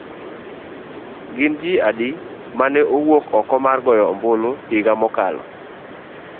Gin ji adi ma ne owuok oko mar goyo ombulu higa mokalo.